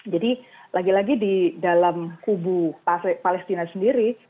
jadi lagi lagi di dalam kubu palestina sendiri